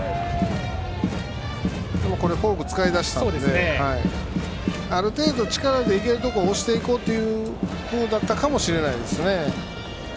でも、フォークを使い出したのである程度、力でいけるところを押していこうというふうだったかもしれないですね。